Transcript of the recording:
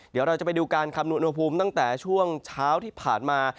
เดี๋ยวเราจะไปดูการคำนวณอุณหภูมิตั้งแต่ช่วงเช้าที่ผ่านมา